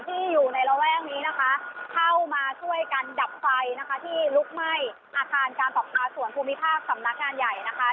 ที่อยู่ในระแวกนี้นะคะเข้ามาช่วยกันดับไฟนะคะที่ลุกไหม้อาคารการปรับปลาส่วนภูมิภาคสำนักงานใหญ่นะคะ